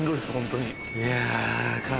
いや。